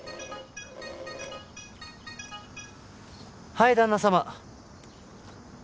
はい旦那様。